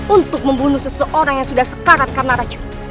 untuk membunuh seseorang yang sudah sekarat karena racun